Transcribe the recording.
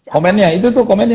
komennya itu tuh komennya